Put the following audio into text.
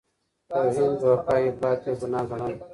توهین، دوکه او افراط یې ګناه ګڼل.